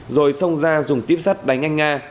rồi xông ra dùng tiếp sắt đánh anh a